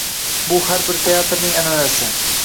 Bu har bir teatrning anʼanasi.